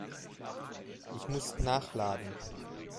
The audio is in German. Ich muss nachladen.